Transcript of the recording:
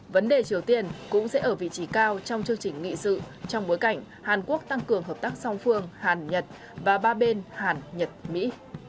vấn đề triều tiên cũng sẽ ở vị trí cao trong chương trình nghị sự trong bối cảnh hàn quốc tăng cường hợp tác song phương hàn nhật và ba bên hàn nhật mỹ